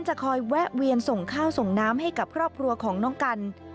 จะคอยแวะเวียนส่งข้าวส่งน้ำให้กับครอบครัวของน้องกัน